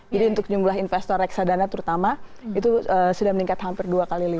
jadi untuk jumlah investor reksadana terutama itu sudah meningkat hampir dua kali lipat